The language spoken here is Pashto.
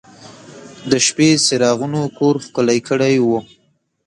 د شپې څراغونو کور ښکلی کړی و.